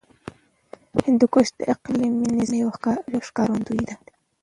هندوکش د اقلیمي نظام یو ښکارندوی دی.